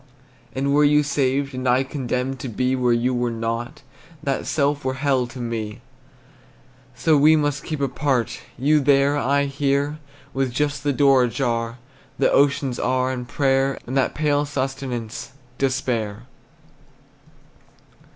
And were you saved, And I condemned to be Where you were not, That self were hell to me. So we must keep apart, You there, I here, With just the door ajar That oceans are, And prayer, And that pale sustenance, Despair!